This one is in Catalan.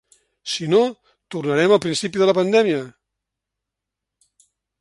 Si no, tornarem al principi de la pandèmia.